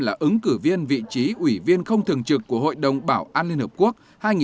là ứng cử viên vị trí ủy viên không thường trực của hội đồng bảo an liên hợp quốc hai nghìn hai mươi hai nghìn hai mươi một